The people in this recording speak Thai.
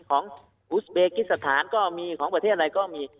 ของอุสเบกิสถานก็มีของประเทศอะไรก็มี